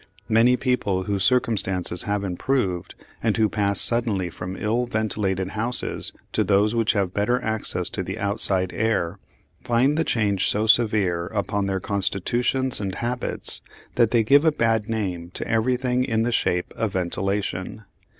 Many people whose circumstances have improved, and who pass suddenly from ill ventilated houses to those which have better access to the outside air, find the change so severe upon their constitutions and habits that they give a bad name to everything in the shape of ventilation.